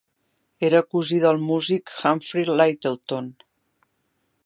Era cosí del músic Humphrey Lyttelton.